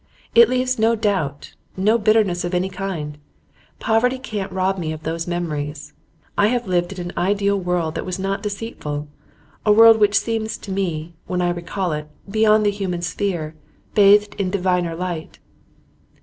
It leaves, no doubt, no bitterness of any kind. Poverty can't rob me of those memories. I have lived in an ideal world that was not deceitful, a world which seems to me, when I recall it, beyond the human sphere, bathed in diviner light.